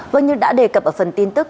vâng như đã đề cập ở phần tin tức